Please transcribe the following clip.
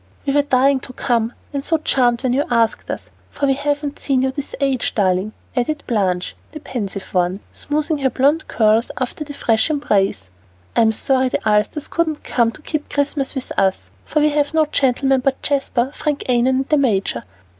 "We were dying to come, and so charmed when you asked us, for we haven't seen you this age, darling," added Blanche, the pensive one, smoothing her blond curls after a fresh embrace. "I'm sorry the Ulsters couldn't come to keep Christmas with us, for we have no gentlemen but Jasper, Frank Annon, and the major.